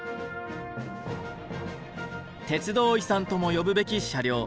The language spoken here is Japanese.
鉄道遺産とも呼ぶべき車両。